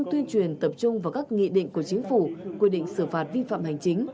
tuyên truyền tập trung vào các nghị định của chính phủ quy định xử phạt vi phạm hành chính